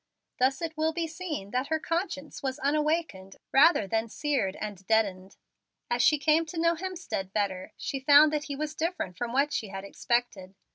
Thus it will be seen that her conscience was unawakened, rather than seared and deadened. As she came to know Hemstead better, she found that he was different from what she had expected.